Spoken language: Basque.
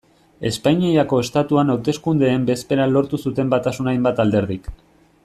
Espainiako Estatuan hauteskundeen bezperan lortu zuten batasuna hainbat alderdik.